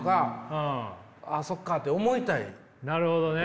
なるほどね。